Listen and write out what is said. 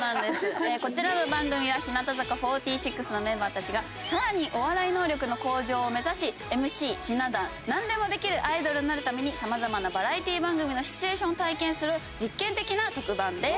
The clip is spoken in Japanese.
こちらの番組は日向坂４６のメンバーたちが更にお笑い能力の向上を目指しＭＣひな壇なんでもできるアイドルになるためにさまざまなバラエティ番組のシチュエーションを体験する実験的な特番です。